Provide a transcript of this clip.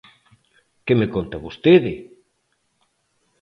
¡Que me conta vostede!